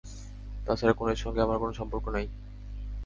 তাছাড়া খুনের সঙ্গে আমার কোনো সম্পর্ক নেই।